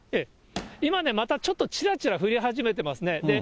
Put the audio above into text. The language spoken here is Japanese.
今ね、またちょっとちらちら降り始めてますね。